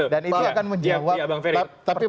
dan itu akan menjawab pertanyaan